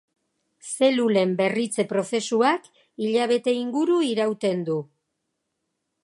Zelulen berritze prozesuak hilabete inguru irauten du.